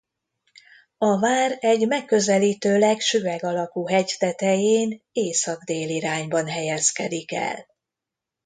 A vár egy megközelítőleg süveg alakú hegy tetején észak-dél irányban helyezkedik el.